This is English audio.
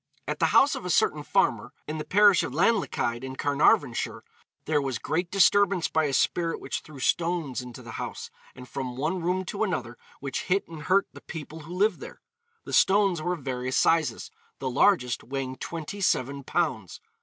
At the house of a certain farmer in the parish of Llanllechid, in Carnarvonshire, there was great disturbance by a spirit which threw stones into the house, and from one room to another, which hit and hurt the people who lived there. The stones were of various sizes, the largest weighing twenty seven pounds.